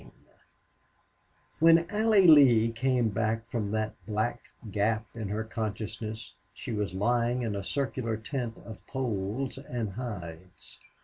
13 When Allie Lee came back from that black gap in her consciousness she was lying in a circular tent of poles and hides.